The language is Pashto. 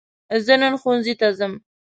زه نن ښوونځي ته ځم